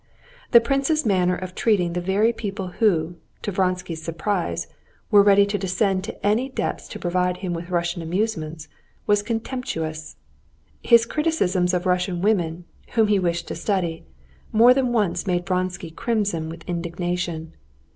The prince's manner of treating the very people who, to Vronsky's surprise, were ready to descend to any depths to provide him with Russian amusements, was contemptuous. His criticisms of Russian women, whom he wished to study, more than once made Vronsky crimson with indignation.